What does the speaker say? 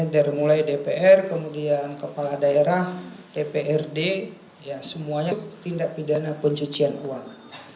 dari mulai dpr kemudian kepala daerah dprd semuanya tindak pidana pencucian uang